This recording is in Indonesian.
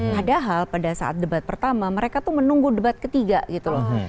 padahal pada saat debat pertama mereka tuh menunggu debat ketiga gitu loh